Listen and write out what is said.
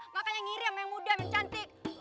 makanya ngiri sama yang muda yang cantik